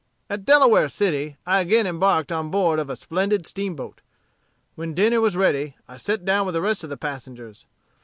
"At Delaware City, I again embarked on board of a splendid steamboat. When dinner was ready, I set down with the rest of the passengers.